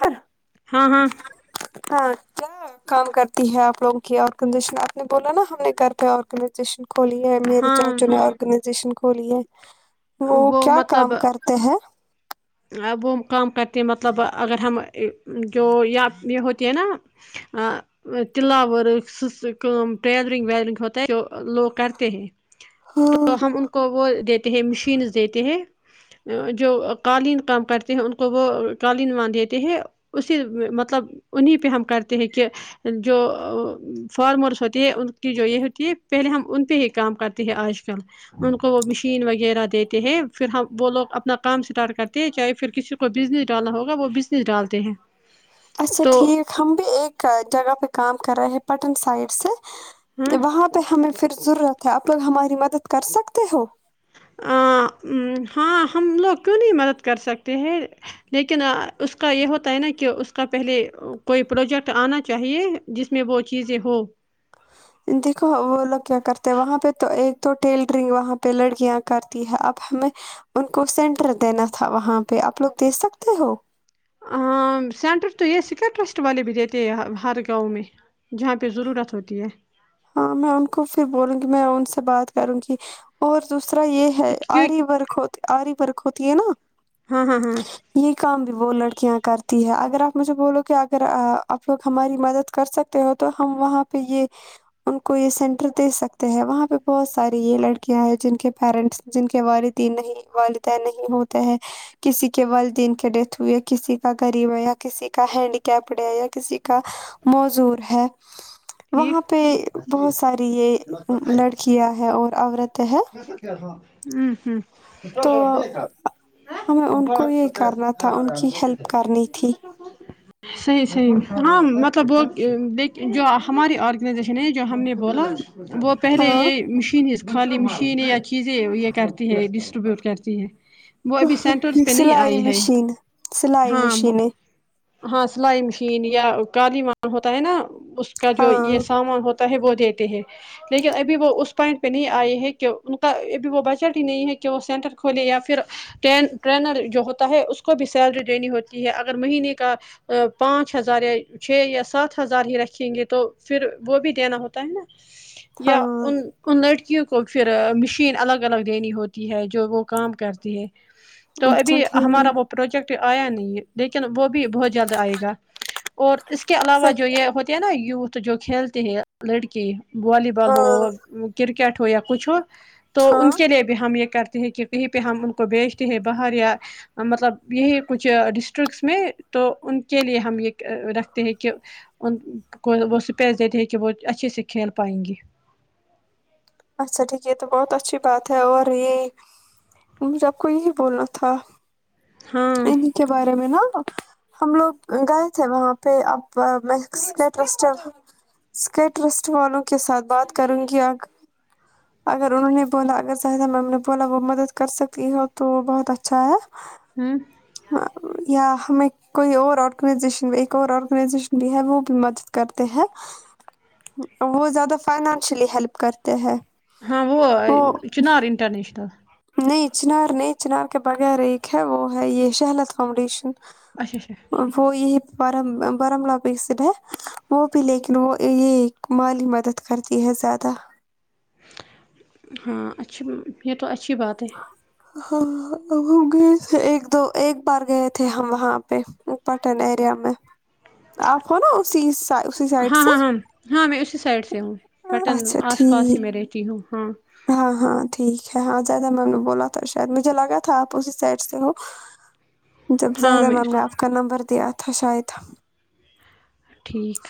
ہر ہاں ہاں ہاں کیا کام کرتی ہے آپ لوگ کی اور کنڈیشن آپ نے بولا نا ہم نے کر پے اور آرگنائزیشن کھولی ہے میرے ہاں چاچو نے آرگنائزیشن کھلی ہے وہ کیا کام کرتے ہیں اب وہ کام کرتے ہیں مطلب اگر ہم جو یا یے ہوتی ہے نا آ تلہ ورک سس کا ٹیلرنگ ویلنگ ہوتا ہے جو لوگ کرتے ہیں تو ہاں ہم ان کو وہ دیتے ہیں مشینز دیتے ہیں جو قالین کام کرتے ہیں ان کو وہ قالین ماند دیتے ہیں اسی مطلب انیں پے ہم کرتے ہیں کہ جو فارمرس ہوتی ہے ان کی جو یہ ہوتی ہے پہلے ہم ان پے ہی کام کرتے تے ہیں آج کل ان کو وہ مشین وغیرہ دیتے ہیں پھر ہم وہ لوگ اپنا کام اسٹارٹ کرتے ہیں چاہے پھر کسی کو بزنس ڈالنا ہوگا وہ بزنس ڈالتے ہیں اچھا تو ٹھیک ہم بھی ایک جگہ پے کام کر رہے ہیں پٹن سائڈ سے ہاں وہاں پے ہمیں پھر ضرورت ہے آپ لوگ ہماری مدد کر سکتے ہو آ ہاں ہم لوگ کیوں نہیں مدد کر سکتے ہیں لیکن اس کا یے ہوتا ہے نا کہ اس کا پہلے کوئی پروجیکٹ آنا چاہیے جس میں وہ چیزیں ہو [inaudible] دیکھو وہ لوگ کیا کرتے ہیں وہاں پے تو ایک تو ٹیلرنگ وہاں پے لڑکیاں کرتی ہے اب ہمیں ان کو سینٹر دینا تھا وہاں پہ آپ لوگ دے سکتے ہو ہاں سینٹر تو یہ سائکیٹرسٹ والے بھی دیتے ہیں یہاں گاوں میں جہاں پہ ضرورت ہوتی ہے ہاں میں ان کو پھر بولوں گی میں ان سے بات کروں گی اور دوسرا یہ ہے کی آری ورک ہوت آری ورک ہوتی ہے نا ہاں ہاں ہاں یہ کام بھی وہ لڑکیاں کرتی ہے اگر آپ مجھے بولو کہ اگر آپ لوگ ہماری مدد کر سکتے ہو تو ہم وہاں پہ یہ ان کو یہ سینٹر دے سکتے ہیں وہاں پہ بہت ساری یہ لڑکیاں ہیں جن کے پیرنٹس جن کے والدین نہیں والدین نہیں ہوتے ہے کسی کے والدین کے ڈیتھ ہوئی ہے کسی کا غریب ہے یا کسی کا ہینڈی کیپڈ ہے یا کسی کا معذور ہے ٹھیک وہاں پہ بہت ساری یہ لڑکیاں ہے اور عورتیں ہے [unintelligible] کیا تھا امم تو امم ہمیں ان کو یہ کرنا تھا ان کی ہیلپ کرنی تھی صحیح صحیح ہاں مطلب وہ دیکھ جا ہماری آرگنائزیشن ہے جو ہم نے بولا وہ پہلے ہاں یہ مشین خالی مشین یا چیزیں یہ کرتی ہے ڈسٹریبیوٹ کرتی ہے وہ ابھی سینٹرس پہ نہیں سلائی آئی ہے مشین سلائی ہاں وہ مشینیں ہاں سلائی مشین یا کالی مان ہوتا ہے نا اس کا جو یہ ہاں سامان ہوتا تا ہے وہ دیتے ہیں لیکن ابھی وہ اس پوائنٹ پہ نہیں آئے ہیں کہ ان کا ابھی وہ بجٹ ہی نہیں ہے کہ وہ سینٹر کھولے یا پھر ٹریں ٹرینر جو ہوتا ہے اس کو بھی سیلری دینی ہوتی ہے اگر مہینے کا پانچ ہزار یا چھ یا سات ہزار ہی رکھیں گے تو پھر وہ بھی دینا ہوتا ہے نا ہاں یا ان ان لڑکیوں کو پھر مشین الگ الگ دینی ہوتی ہے جو وہ کام کرتی ہے تو اچھا ابھی ٹھیک ہمارا وہ پروجیکٹ آیا نہیں ہے لیکن وہ بھی بہت جگہ آئے گا اور اس کے اچھا علاوہ جو ٹھیک، یہ ہوتی ہیں نا یوز تو جو کھیلتے ہیں لڑکی والی بال ہو ہاں کرکٹ ہو یا کچھ ہو تو ان ہاں کے لیے بھی ہم یہ کرتے ہیں کہ کہیں پہ ہم ان کو بھیجتے ہیں باہر یا مطلب یہی کچھ ڈسٹرکس میں تو ان کے لیے ہم یہ رکھتے ہیں کہ ان کو وہ اسپیس دیتے ہیں کہ وہ اچھے سے کھیل پائیں گے اچھا ٹھیک ہے یہ تو بہت اچھی بات ہے اور یہ مجھے سب کو یہی بولنا تھا ہاں انہیں کے بارے میں ہاں ہاں ہم لوگ گئے تھے وہاں پہ ابا میں اسٹیٹ اسٹیڈم اسک ٹرسٹ والوں کے ساتھ بات کروں گی اب اگر انہوں نے بولا اگر زاہدہ میم نے بولا وہ مدد کر سکتی ہو تو وہ بہت اچھا ہے امم ہاں یا ہمیں کوئی اور آرگنائزیشن بھی ایک اور آرگنائزیشن بھی ہے وہ بھی مدد کرتے ہیں وہ زیادہ فائنانشلی ہیلپ کرتے ہیں ہاں وہ آیے چنار انٹرنیشنل نہیں چنار نہیں چنار کے بغیر ایک ہے وہ ہے یہ شہلت فاؤنڈیشن اچھا اچھا وہ یہی [unintelligible] وہ بھی لیکن وہ یے مالی مدد کرتی ہے زیادہ ہاں اچھا یے تو اچھی بات ہے ہاں ہم گئے تھے ایک دو ایک بار گئے تھے ہم وہاں پے پٹن ایریا میں آپ ہو نا اسی اسی سائڈ ہاں سے ہاں ہاں ہاں میں اسی سائڈ سے ہوں پٹن اچھا آس پاس ہی ٹھیک میں رہتی ہوں ہاں ہاں ہاں ٹھیک ہے ہاں زیادہ میں نے بولا تھا شاید مجھے لگا تھا آپ اسی سائڈ سے ہو جب ہاں زاہدہ میں میم نے اسی آپ کا نمبر دیا تھا شاید ٹھیک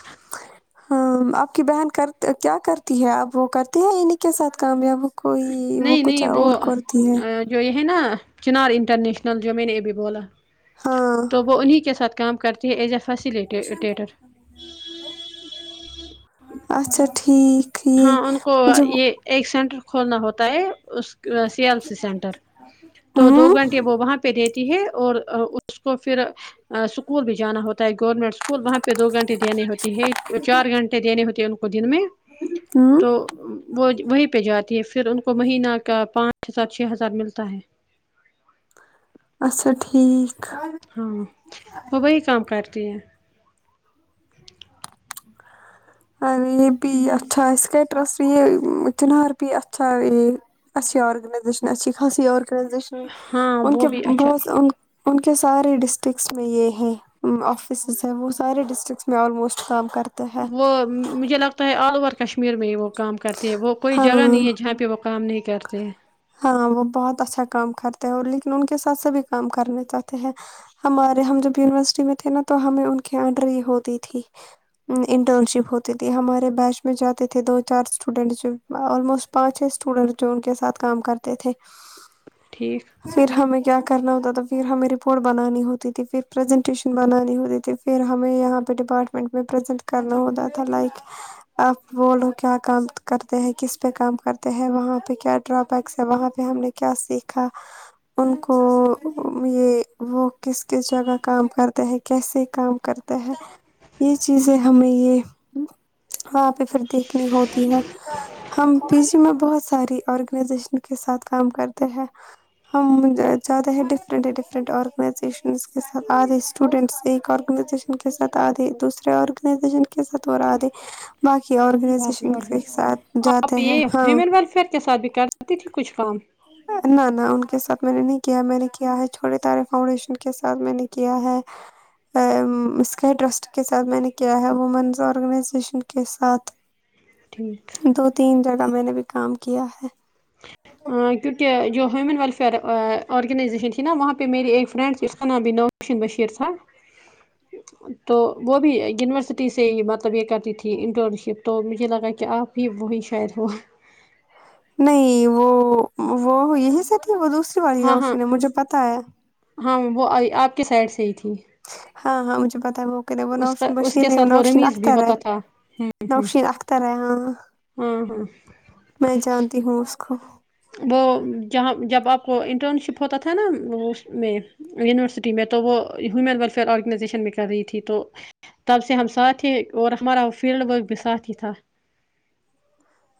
ہاں آپ کی بہن کرت کیا کرتی ہے آپ وہ کرتے ہے انہیں کے ساتھ کام ویام کوئی وہ نہیں کچھ نہیں اور کرتی ہے جو یے ہے نا چنار انٹرنیشنل جو میں نے ابھی بولا ہاں تو وہ انہیں کے ساتھ کام کرتی ہے ایز آ فصلٹ اچھا ٹھیک ٹھیک ہاں ان کو مجھے وہ یہ ایک سینٹر کھولنا ہوتا ہے اس سی ایل سی سینٹر تو دو ہوں گھنٹے وہ وہاں پے پے دیتی ہے اور اس کو پھر اسکول بھی جانا ہوتا ہے گورنمنٹ اسکول وہاں پے دو گھنٹے دینے ہوتے ہے چار گھنٹے دینے ہوتے ہیں ان کو دن میں ہوں تو وہ وہیں پے جاتی ہے پھر ان کو مہینہ کا پانچ ہزار چھ ہزار ملتا ہے اچھا ٹھیک ہاں وہ وہی کام کرتی ہے ہاں یے بھی اچھا [unintelligible] اچھا ہے اچھی آرگنائزیشن اچھی خاصی آرگنائزیشن ہاں ان وہ کے بھی اچھا بہت ان کے سارے ڈسٹرکس میں یے ہیں افسز ہیں وہ سارے ڈسٹرکس میں آلموسٹ کام کرتے ہیں وہ مجھے لگتا ہے آل اوور کشمیر میں ہی وہ کام کرتے ہے وہ کوئی ہاں جگہ نہیں ہے جہاں پے وہ کام نہیں کرتے ہاں وہ بہت اچھا کام کرتے ہیں اور لیکن ان کے ساتھ سے بھی کام کرنے چاہتے ہیں ہمارے ہم جب یونیورسٹی میں تھے نا تو ہمیں ان کے انڈر ہی ہوتی تھی انٹرن شپ ہوتی تھی ہمارے بیچ میں جاتے تھے دو چار اسٹوڈینٹ جو آلموسٹ پانچ اسٹوڈینٹ جو ان کے ساتھ کام کرتے تھے ٹھیک پھر ہمیں کیا کرنا ہوتا تھا پھر ہمیں رپورٹ بنانی ہوتی تھی پھر پریزنٹیشن بنانی ہوتی تھی پھر ہمیں یہاں پے ڈپارٹمنٹ میں پریزینٹ کرنا ہوتا تھا لائک آپ بولو کیا کام کرتے ہیں کس پے کام کرتے ہیں وہاں پے پے کیا ڈرابیکس ہے وہاں پے ہم نے کیا سیکھا ان کو یے وہ کس کس جگہ کام کرتے ہے کیسے کام کر تا ہے یے چیزیں ہمیں یے وہاں پے پھر دیکھنی ہوتی ہے ہم پی جی میں بہت ساری آرگنائزیشن کے ساتھ کام کرتے ہیں ہم جاتے ہیں ڈفرنٹ ہے ڈفرینٹ آرگنائزیشن کے ساتھ ادھے اسٹوڈینٹس ایک آرگنائزیشن کے ساتھ ادھے دوسرے آرگنائزیشن کے ساتھ اور آدھے باقی باقی آرگنائزیشن اور کے ساتھ جاتے آپ ہیں یہ ہاں ہیومن ویلفیئر کے ساتھ بھی کر دیتی تھی کچھ کام نہ نہ ان کے ساتھ میں نے نہیں کیا میں نے کیا ہے چھوٹے تارے فاؤنڈیشن کے ساتھ میں نے کیا ہے اسکے ٹرسٹ کے ساتھ میں نے کیا ہے وومنس آرگنائزیشن کے ساتھ ٹھیک دو تین جگہ میں نے بھی کام کیا ہے ہاں کیونکہ جوہمن وف آرگنائزیشن تھی نا وہاں پہ میری ایک فرینڈ تھی اس کا نام بھی نوشن بشیر تھا تو وہ بھی یونیورسٹی سے ہی مطلب یہ کرتی تھی انٹرن شپ تو مجھے لگا کہ آپ بھی وہی شاید ہو نہیں وہ وہ یہی سے تھی وہ دوسری والی ہاں ہاں نوشین ہے مجھے پتا ہے ہاں وہ آپ کے سائڈ سے ہی تھی ہاں ہاں مجھے پتاہ ہے [unintelligible] وہوکے وہ اس نوشین کا اس بشیر کے نہیں وہ ساتھ نوشین رمیز بھی اختر ہے ہوتا تھا نوشین اختر ہے ہاں ہمم ہمم میں جانتی ہوں اس کو وہ جہاں جب آپ کو انٹرن شپ ہوتا تھا نا اس میں یونیورسٹی میں تو وہ ہیومن ویلفیئر آرگنائزیشن میں کر رہی تھی تو تب سے ہم ساتھی اور ہمارا وہ فیلڈ ورک بھی ساتھ ہی تھا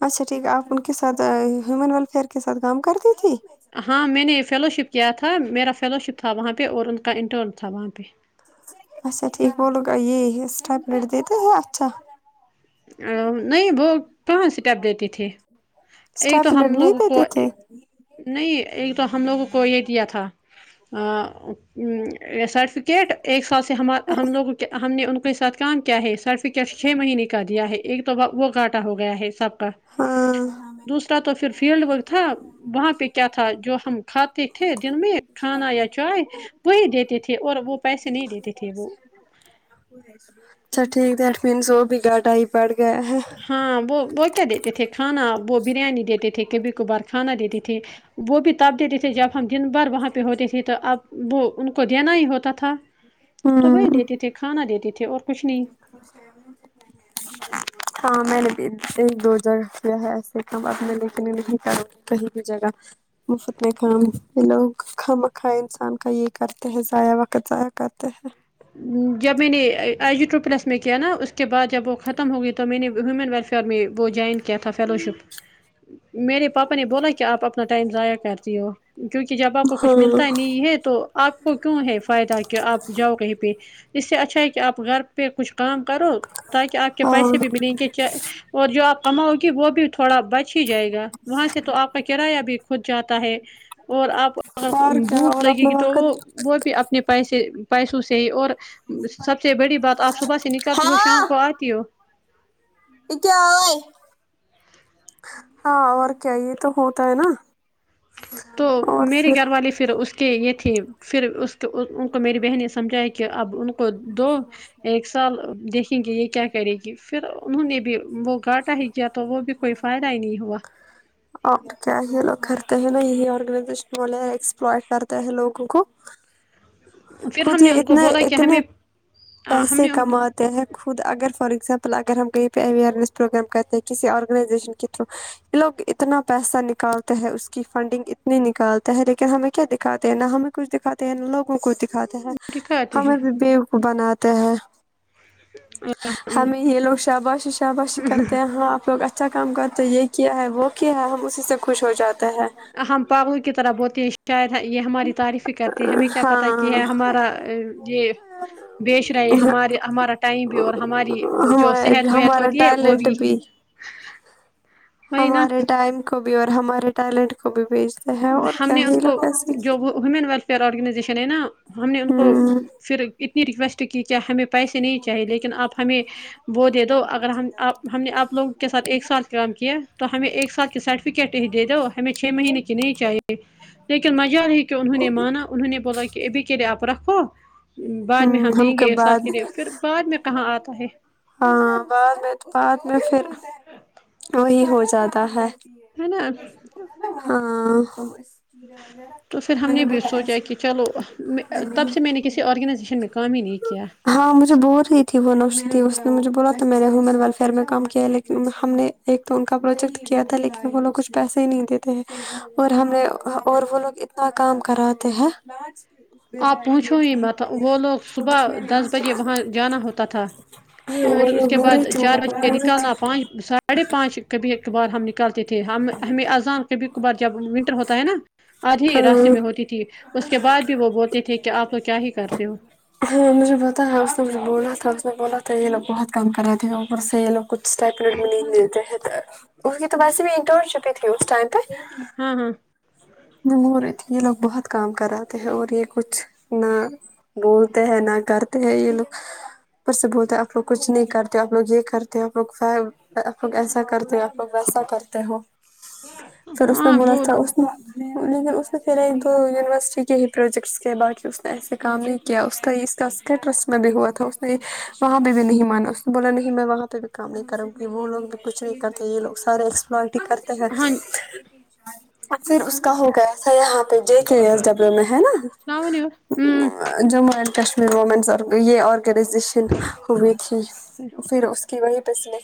اچھا ٹھیک ہے آپ ان کے ساتھ ہیومن ویلفیئر کے ساتھ کام کرتی تھی ہاں میں نے فیلو شپ کیا تھا میرا فیلو شپ تھا وہاں پہ اور ان کا انٹرن تھا وہاں پہ اچھا ٹھیک وہ لوگ یہ اسپلیٹ دیتے ہیں اچھا نہیں وہ پانچ اسٹیپ دیتی تھی ایک تو اسٹیپلر ہم نہیں لوگوں کو دیتے تھے نہیں ایک تو ہم لوگوں کو یہ دیا تھا سٹ کرکٹ ایک سال سے ہم ہم لوگ ہم نے ان کے ساتھ کام کیا ہے سرٹیفکیٹ چھ مہینے کر دیا ہے ایک تو ب وہ گاٹا ہو گیا ہے سب کا ہاں دوسرا تو پھر فیلڈ ورک تھا وہاں پہ کیا تھا جو ہم کھاتے تھے دن میں کھانا یا چائے وہی دیتے تھے اور وہ پیسے نہیں دیتے تھے وہ اچھا ٹھیک ہے ایٹ مینس وہ بھیگاٹائی پڑ گیا ہے ہاں وہ وہ کیا دیتے تھے کھانا وہ بریانی دیتے تھے کبھی کبھار کھانا دیتے تھے وہ بھی تب دیتے تھے جب ہم دن بھر وہاں پہ ہوتے تھے تو اب وہ ان کو دینا ہی ہوتا تھا تو ہوں وہی دیتے تھے کھانا دیتے تھے اور کچھ نہیں [unintelligible] ہاں میں نے دو ہزار روپیہ ہے ایسے کام میں لیکنے نہیں کر کہیں بھی جگہ مفت میں کام یہ لوگ خامہ مکھوا انسان کا یہ کرتے ہیں ضائع وقت ضائع کرتے ہیں جب میں نے آئی جی ٹو پلس میں کیا نا اس کے بعد جب وہ ختم ہو گئی تو میں نے ہیومن ویلفیئر میں وہ جوائن کیا تھا فیلوشپ میرے پاپا نے بولا کہ آپ اپنا ٹائم ضائع کرتی ہو جو کی جب آپ کو کچھ ملتا ہی نہیں ہے تو آپ کو کیوں ہے فائدہ کہ آپ جاؤ کہیں پہ اس سے اچھا ہے کہ آپ گھر پہ کچھ کام کرو تاکہ آپ کے ہاں پیسے بھی ملیں گے اور جو آپ کماؤگی وہ بھی تھوڑا بچ ہی جائے گا وہاں سے تو آپ کا کرایہ بھی کھود جاتا ہے اور آپ کو اگر اور کیا بھوک اور لگے اپنا گی تو وقت وہ بھی اپنے پیسے پیسوں سے ہی اور سب سے بڑی بات آپ صبح سے نکلتی ہو شام کو آتی ہو کیا ہاں اور کیا یے تو ہوتا ہے نا تو میرے گھر والے پھر اس کہ یے تھی پھر اس ان کو میری بہن نے سمجھایا کہ اب ان کو دو ایک سال دیکھیں گے یے کیا کرے گی پھر انہوں نے بھی وہ گٹا ہے کیا تو وہ بھی کوئی فائدہ ہی نہیں ہوا اور کیا یے لوگ کرتے ہیں نا یہی آرگنائزیشن والے ایکسپلائے کرتے ہیں لوگوں کو پھر خود ہم یے نے ان کو اتنے بولا کہ اتنے ہمیں ہم پیسے نے ان کو کمات تے ہے خود اگر فار ایگزامپل اگر ہم کہیں پے اوئنیس پروگرام کرتے ہیں کسی آرگنائزیشن کے تھرو یے لوگ اتنا پیسہ نکالتے ہیں اس کی فنڈنگ اتنی نکالتے ہیں لیکن ہمیں کیا دکھاتے ہیں نا ہمیں کچھ دکھاتے ہیں لوگوں کو دکھاتے ہیں دکھاتے ہیں ہمیں بھی بے وقوف بناتے ہیں ہمیں یے لوگ شاباشی شاباشی کرتے ہیں ہاں آپ لوگ اچھا اچھا کام کر تو یے کیا ہے وہ کیا ہے ہم اسی سے خوش ہو جاتے ہیں ہم پاگلو کی طرح بولتے ہیں شاید یے ہماری تعریفی کر ہمیں کیا پتہ کہ ہاں ہے ہمارا یے بیچ رہے ہمارے ہمارا ٹائم بھی اور ہماری جو صحت وحت ہوتی ہے وہ بھی ہے، دبی وہی نا ٹائم کو بھی اور ہمارے ٹیلنٹ کو بھی بیچتے ہیں اور کیا ان یے کو لوگ ایسے جو ہی انہوں نے ویلفیئر آرگنائزیشن ہے نا ہم نے ان کو ہوں پھر اتنی ریکویسٹ کی کیا ہمیں پیسے نہیں چاہیے لیکن آپ ہمیں ان وہو کو دے دو کون کون اگر سی ہم آپ دوائی ہم نے لگانی آپ ہے لوگوں کے کیا ساتھ ایک کرنا ہے ساتھ کام کیا تو ہمیں ایک ساتھ کی سرٹیفکیٹ ہی دے دو ہمیں چھ مہینے کی نہیں چاہیے لیکن مزار ہے کہ انہوں نے مانا انہوں نے بولا کہ ابھی کے لیے آپ رکھو بعد میں ہم دیں گے ایک سال کے لیے پھر بعد میں کہاں آتا ہے ہاں بعد میں تو بعد میں پھر وہی ہو جاتا ہے ہے نا ہاں تو پھر ہم نے بھی سوچا کی چلو تب سے میں نے کسی آرگنائزیشن میں کام ہی نہیں کیا ہاں مجھے بول رہی تھی وہ نوشی تھی اس مجھے بولا تو میں نے ومن ویلفیئر میں کام کیا ہے لیکن ہم نے ایک تو ان کا پروجیکٹ کیا تھا لیکن وہ لوگو کچھ پیسے ہی نہیں دیتے ہیں اور ہمیں اور وہ لوگ اتنا کام کراتے ہیں آپ پوچھو ہی میں وہ لوگ صبح دس بجے وہاں جانا ہوتا تھا نہیں تو اور وہ اس لوگ کے بول بعد رہی تھی وہ چار بج بول کے رہی تھی نکالنا پانچ سات ساڑھے پانچ کبھی ایک کبھار ہم نکالتے تھے ہم ہمیں اذان کبھی کبھار جب ونٹر ہوتا ہے نا آدھی راستے ہاں میں ہوتی تھی اس کے بعد بھی وہ بولتے تھے کہ آپ لوگ کیا ہی کرتے ہو ہاں مجھے بتا ہے اس نے مجھے بولا تھا اس نے بولا تھا یے لو بہت کم کر رہے تھے اوپر سے یے لوگ کچھ [unintelligible] اس کی تو پسی بھی انٹرن شپ ہی تھی اس ٹائم پے ہاں ہاں وہ بول رہی تھی یے لوگ بہت کام کراتے ہیں اور یے کچھ نہ بولتے ہیں نہ کرتے ہیں یے لوگ اپر سے بولتے ہیں آپ لوگ کچھ نہیں کرتے تے آپ لوگ یے کرتے آپ لوگ آپ لوگ ایسا کرتے ہیں آپ لوگ ویسا کرتے ہو پھر اس میں ہاں بولا وہ تھا اس نے لیکن اس نے پھر ایک تو یونیورسٹی کے ہی پروجیکٹس کے باقی اس نے ایسے کام نہیں کیا اس کا اس کا اسکٹرس میں بھی ہوا تھا اس نے وہاں پہ بھی نہیں مانا اس نے بولا نہیں میں وہاں پہ بھی کام نہیں کروی وہ لوگ بھی کچھ نہیں کرتے یہ لو سارے ایکسپلور کرتے ہاں اور پھر اس کا ہو گیا سر یہاں پہ جے کے ایس ڈبلو میں ہے نا السلام علیکم ہوں جموں اینڈ کشمیر وومینس یہ آرگنائزیشن ہوئی تھی پھر اس کیےوہی پسے